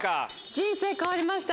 人生変わりました。